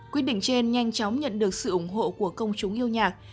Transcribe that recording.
quyết định trên nhanh chóng nhận được sự ủng hộ của công chúng yêu nhạc